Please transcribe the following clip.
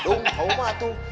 ah dong kau ma tuh